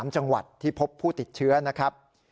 ๓จังหวัดที่พบผู้ติดเชื้อนะครับ